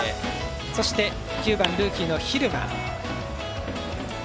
そして、９番ルーキーの蛭間。